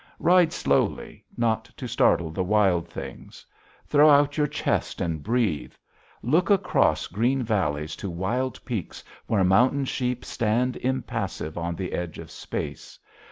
Ride slowly, not to startle the wild things. Throw out your chest and breathe; look across green valleys to wild peaks where mountain sheep stand impassive on the edge of space.